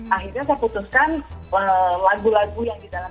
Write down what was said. akhirnya saya putuskan lagu lagu yang di dalam cerita itu memang tidak ada lagu